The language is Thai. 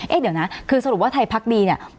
เดี๋ยวนะคือสรุปว่าไทยพักดีเนี่ย